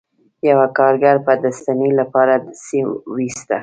یوه کارګر به د ستنې لپاره سیم ویسته